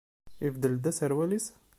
Ibeddel-d aserwal-is?